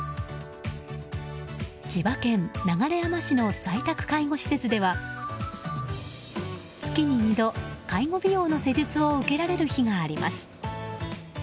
千葉県流山市の在宅介護施設では月に２度介護美容の施術を受けられる日があります。